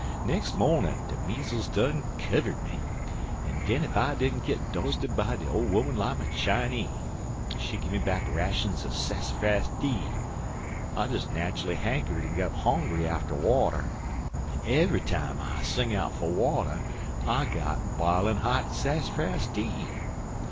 "Nex' mornin' de meezles 'd done kivered me, an' den ef I didn't git dosted by de ole 'oman I'm a Chinee. She gimme back rashuns er sassafac tea. I des natchully hankered an' got hongry atter water, an ev'y time I sing out fer water I got b'ilin' hot sassafac tea.